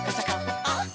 「あっ！